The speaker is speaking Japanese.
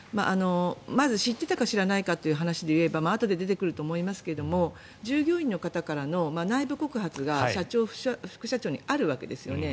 まず知っていたか知らないかという話でいえばあとで出てくると思いますけど従業員の方からの内部告発が社長・副社長にあるわけですよね。